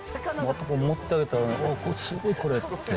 持ってあげたらね、すごいこれって。